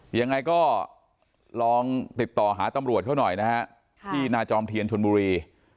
ยังไงก็ลองติดต่อหาตำรวจเขาหน่อยนะฮะที่นาจอมเทียนชนบุรี